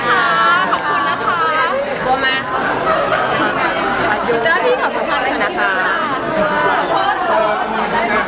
ขอบคุณนะคะ